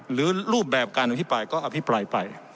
รูปแบบการอภิปรายก็อภิปรายไป